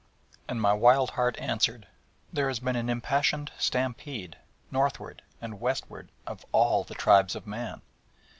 And my wild heart answered: 'There has been an impassioned stampede, northward and westward, of all the tribes of Man.